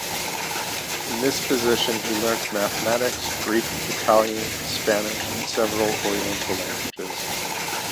In this position he learnt mathematics, Greek, Italian, Spanish and several oriental languages.